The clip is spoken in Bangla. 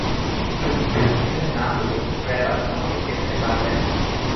তুমি দুষ্টু ছেলে না হলে, গ্র্যাবার তোমাকে পেটাতে পারবে না।